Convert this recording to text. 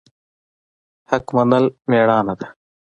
حق منل میړانه ده